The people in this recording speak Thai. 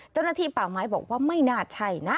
เจ้าหน้าที่ป่าไม้บอกว่าไม่น่าใช่นะ